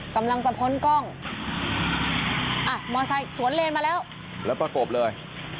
กำลังจะพ้นกล้องอ่ะมอไซค์สวนเลนมาแล้วแล้วประกบเลย